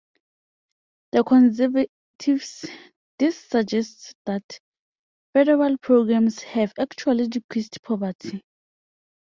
For conservatives, this suggests that federal programs have actually decreased poverty.